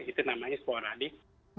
itu namanya sporadik